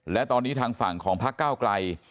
และตอนนี้ทางฝั่งของพักเก้าไกล